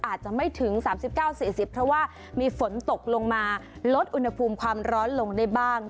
อาจจะไม่ถึง๓๙๔๐เพราะว่ามีฝนตกลงมาลดอุณหภูมิความร้อนลงได้บ้าง